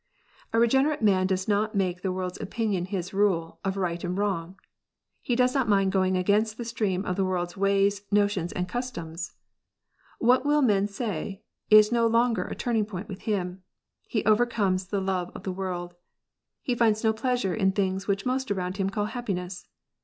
A regenerate man does not make the world s opinion his rulr, of right and wrong. He does not mind going against the stream of the world s ways, notions, and customs. " What will men say ?" is no longer a turning point with him. He overcomes the love of the world. He finds no pleasure in things which most around him call happiness.